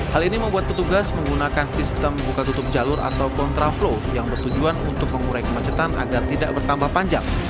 hal ini membuat petugas menggunakan sistem buka tutup jalur atau kontraflow yang bertujuan untuk mengurai kemacetan agar tidak bertambah panjang